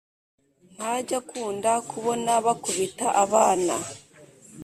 ntajya akunda kubona bakubita abana